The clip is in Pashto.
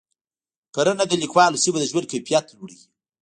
کرنه د کلیوالو سیمو د ژوند کیفیت لوړوي.